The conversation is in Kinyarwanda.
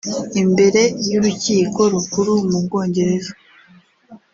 Imbere y’urukiko rukuru mu Bwongereza